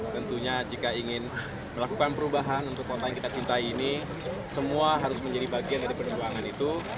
tentunya jika ingin melakukan perubahan untuk kota yang kita cintai ini semua harus menjadi bagian dari perjuangan itu